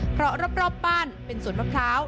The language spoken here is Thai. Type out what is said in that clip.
เพราะรอบบ้านเป็นสวนมะพร้าว